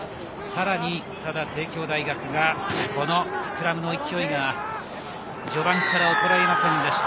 ただ帝京大学がスクラムの勢いが序盤から衰えませんでした。